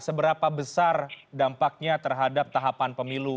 seberapa besar dampaknya terhadap tahapan pemilu